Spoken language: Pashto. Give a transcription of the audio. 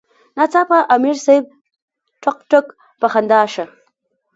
ناڅاپه امیر صېب ټق ټق پۀ خندا شۀ ـ